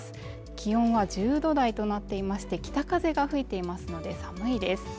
気温は１０度台となっていまして北風が増えていますので寒いです。